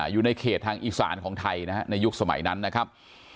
อยู่ในเขตทางอีสานของไทยนะฮะในยุคสมัยนั้นนะครับ